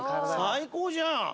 最高じゃん。